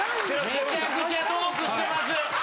めちゃくちゃトークしてます！